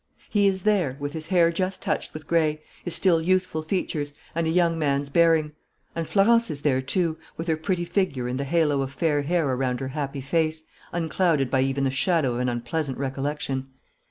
He is there, with his hair just touched with gray, his still youthful features, and a young man's bearing; and Florence is there, too, with her pretty figure and the halo of fair hair around her happy face, unclouded by even the shadow of an unpleasant recollection.